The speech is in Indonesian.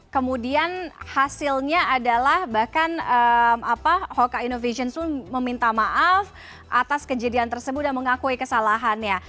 kemudian hasilnya adalah bahkan hoka innovation meminta maaf atas kejadian tersebut dan mengakui kesalahannya